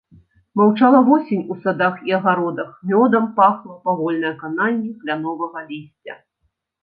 Маўчала восень у садах і агародах, мёдам пахла павольнае кананне кляновага лісця.